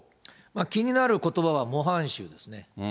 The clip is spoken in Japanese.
気になることばは模範囚ですね。